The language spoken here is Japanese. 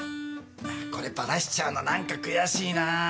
これバラしちゃうの何か悔しいなぁ。